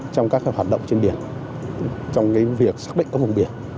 công ước luật biển là hành động trên biển trong việc xác định các vùng biển